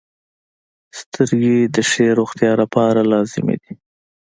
• سترګې د ښې روغتیا لپاره لازمي دي.